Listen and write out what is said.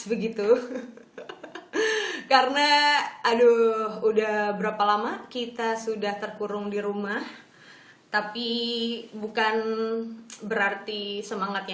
begitu karena aduh udah berapa lama kita sudah terkurung di rumah tapi bukan berarti semangatnya